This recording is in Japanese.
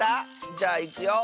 じゃあいくよ。